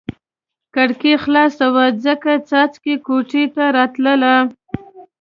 کړکۍ خلاصه وه ځکه یې څاڅکي کوټې ته راتلل.